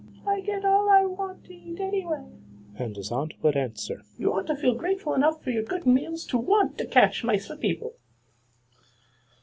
"I get all I want to eat anyway." And his aunt would answer, "You ought to feel grateful enough for your good meals to want to catch mice for people."